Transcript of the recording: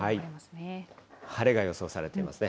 晴れが予想されていますね。